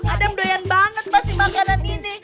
adam doyan banget pas si makanan ini